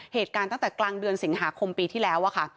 เหตุการณ์ตั้งแต่กลางเดือนสิงหาคมปีที่แล้วอะค่ะ